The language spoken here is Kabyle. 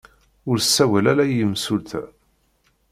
Ur ssawal ara i yimsulta.